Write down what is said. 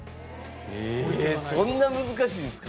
えそんな難しいんですか？